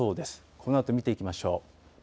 このあと見ていきましょう。